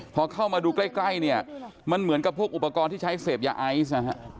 พอเข้ามาดูใกล้เนี่ยมันเหมือนกับพวกอุปกรณ์ที่ใช้เสพยาไอซ์นะฮะ